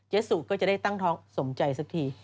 สุก็จะได้ตั้งท้องสมใจสักที